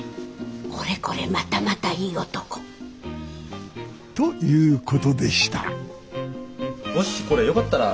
これこれまたまたいい男。ということでしたもしこれよかったら。